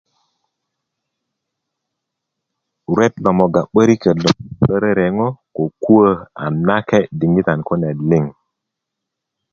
uret lo mogga 'böriköt lo bubulö rereŋo ko kuwö a nake' diŋitan kune liŋ